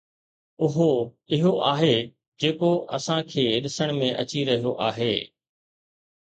اھو اھو آھي جيڪو اسان کي ڏسڻ ۾ اچي رھيو آھي.